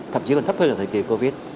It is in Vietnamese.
thậm chí còn thấp hơn là thời kỳ covid